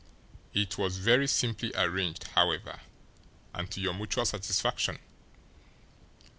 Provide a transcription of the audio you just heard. It was very simply arranged, however, and to your mutual satisfaction.